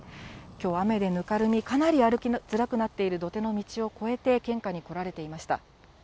きょう、雨でぬかるみ、歩きづらくなっている土手の道を越えて献花に来られていました。